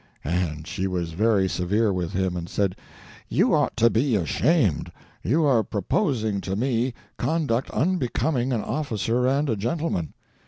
and she was very severe with him, and said, 'You ought to be ashamed—you are proposing to me conduct unbecoming an officer and a gentleman.